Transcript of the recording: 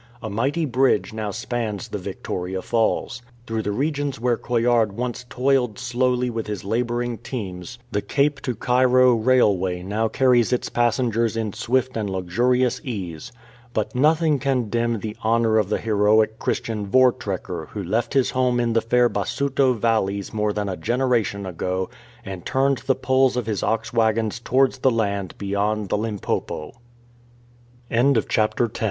A mighty bridge now spans the Victoria Falls. Through the regions where Coillard once toiled slowly with his labouring teams the Cape to 157 COMING OF THE IRON HORSE Cairo railway now carries its passengers in swift and luxurious ease. But nothing can dim the honour of the heroic Christian " Vortrekker'' who left his home in the fair Basuto valleys more than a generation ago, and turned the poles of his ox waggons towards the land beyo